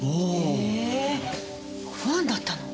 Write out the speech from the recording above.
へぇファンだったの？